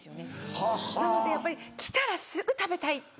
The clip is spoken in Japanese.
なのでやっぱり来たらすぐ食べたい。